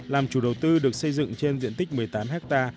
làm chủ đầu tư được xây dựng trên diện tích một mươi tám ha